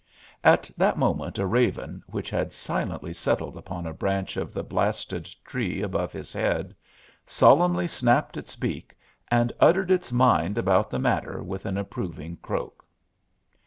At that moment a raven, which had silently settled upon a branch of the blasted tree above his head, solemnly snapped its beak and uttered its mind about the matter with an approving croak.